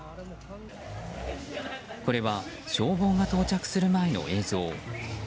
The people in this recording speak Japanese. これは、消防が到着する前の映像。